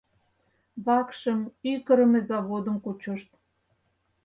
Вакшым, ӱй кырыме заводым кучышт.